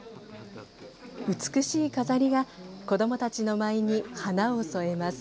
美しい飾りが子どもたちの舞に花を添えます。